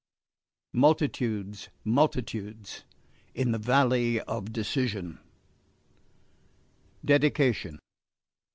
"Multitudes, multitudes in the valley of decision."